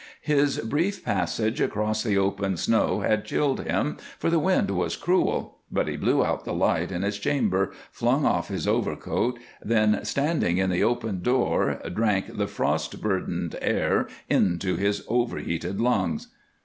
His brief passage across the open snow had chilled him, for the wind was cruel, but he blew out the light in his chamber, flung off his overcoat, then, standing in the open door, drank the frost burdened air into his overheated lungs.